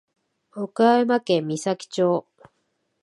岡山県美咲町